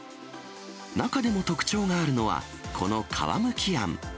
中でも特徴があるのは、この皮むきあん。